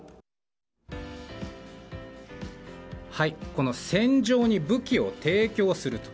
この戦場に武器を提供すると。